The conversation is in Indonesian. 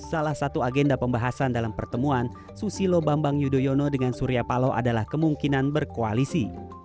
salah satu agenda pembahasan dalam pertemuan susilo bambang yudhoyono dengan surya paloh adalah kemungkinan berkoalisi